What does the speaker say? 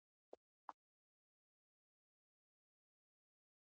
پښتو د یوه مترقي او پرمختللي ټولنې لپاره اړینه ژبه ده.